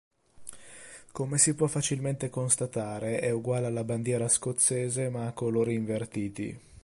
Come si può facilmente constatare, è uguale alla bandiera scozzese ma a colori invertiti.